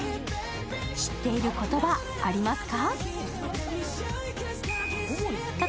知っている言葉、ありますか？